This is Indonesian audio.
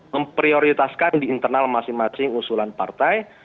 memprioritaskan di internal masing masing usulan partai